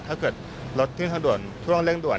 ถ้าเกิดรถขึ้นทางด่วนช่วงเร่งด่วน